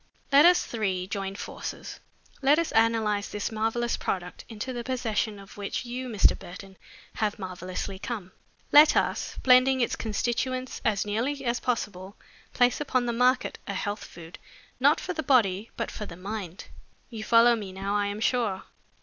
Let us three join forces. Let us analyze this marvelous product, into the possession of which you, Mr. Burton, have so mysteriously come. Let us, blending its constituents as nearly as possible, place upon the market a health food not for the body but for the mind. You follow me now, I am sure?